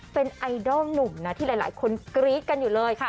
เป็นไอดอลหนุ่มนะที่หลายคนกรี๊ดกันอยู่เลยค่ะ